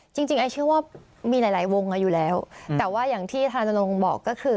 จริงไอ้เชื่อว่ามีหลายวงอยู่แล้วแต่ว่าอย่างที่ธนาจันทรงบอกก็คือ